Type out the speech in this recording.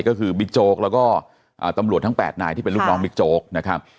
ก็คือบิ๊กโจ๊กแล้วก็ตำรวจทั้ง๘นายที่เป็นลูกน้องบิ๊กโจ๊กนะครับ